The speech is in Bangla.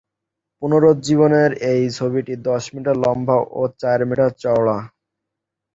পুনরুজ্জীবনের এই ছবিটি দশ মিটার লম্বা ও চার মিটার চওড়া।